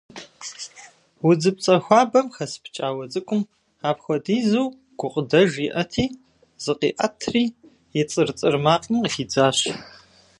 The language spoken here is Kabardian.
Удзыпцӏэ хуабэм хэс пкӏауэ цӏыкӏум апхуэдизу гукъыдэж иӏэти, зыкъиӏэтри, и цӏыр-цӏыр макъым къыхидзащ.